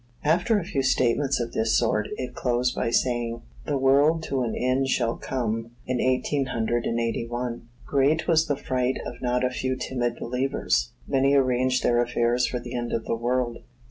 After a few statements of this sort, it closed by saying: "The world to an end shall come In eighteen hundred and eighty one." Great was the fright of not a few timid believers. Many arranged their affairs for the end of the world.